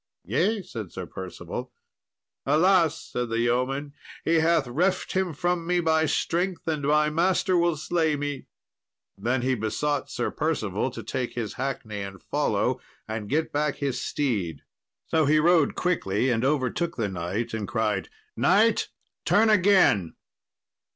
"Yea," said Sir Percival. "Alas," said the yeoman, "he hath reft him from me by strength, and my master will slay me." Then he besought Sir Percival to take his hackney and follow, and get back his steed. So he rode quickly, and overtook the knight, and cried, "Knight, turn again."